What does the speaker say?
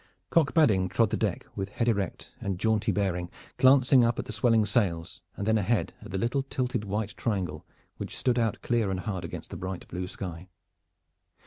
Cock Badding trod the deck with head erect and jaunty bearing, glancing up at the swelling sails and then ahead at the little tilted white triangle, which stood out clear and hard against the bright blue sky.